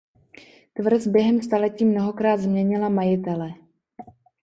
Tvrz během staletí mnohokrát změnila majitele.